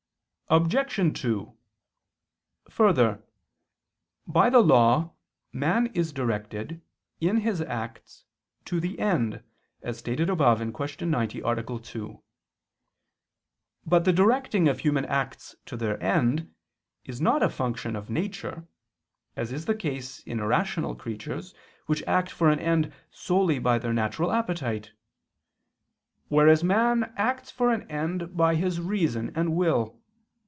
Obj. 2: Further, by the law man is directed, in his acts, to the end, as stated above (Q. 90, A. 2). But the directing of human acts to their end is not a function of nature, as is the case in irrational creatures, which act for an end solely by their natural appetite; whereas man acts for an end by his reason and will.